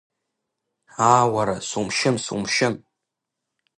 Аа, уара, сумшьын, сумшьын!